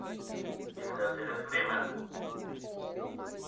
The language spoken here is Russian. Нельзя терять время.